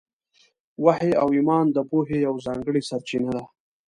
وحي او ایمان د پوهې یوه ځانګړې سرچینه ده.